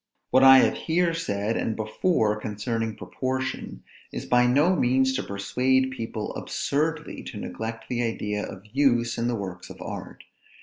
What I have here said and before concerning proportion, is by no means to persuade people absurdly to neglect the idea of use in the works of art.